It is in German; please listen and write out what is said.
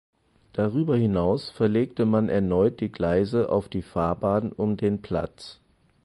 Darüber hinaus verlegte man erneut die Gleise auf die Fahrbahn um den Platz.